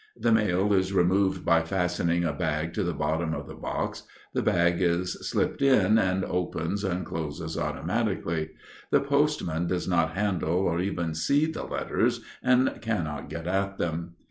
The mail is removed by fastening a bag to the bottom of the box; the bag is slipped in and opens and closes automatically. The postman does not handle or even see the letters, and cannot get at them.